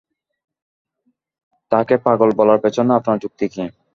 তাকে পাগল বলার পেছনে আপনার যুক্তি কী?